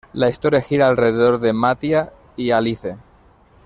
La historia gira alrededor de Mattia y Alice.